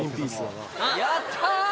やった！